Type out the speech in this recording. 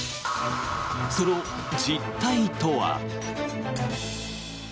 その実態とは。